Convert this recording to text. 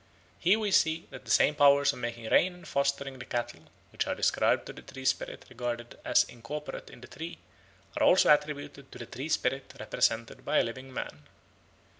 Here we see that the same powers of making rain and fostering the cattle, which are ascribed to the tree spirit regarded as incorporate in the tree, are also attributed to the tree spirit represented by a living man.